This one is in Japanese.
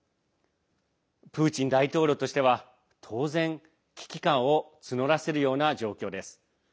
プーチン大統領としては、当然危機感を募らせるような状況です。